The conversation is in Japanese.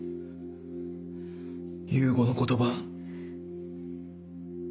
雄吾の言葉。